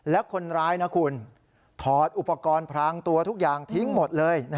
แล้วคนร้ายนะคุณถอดอุปกรณ์พรางตัวทุกอย่างทิ้งหมดเลย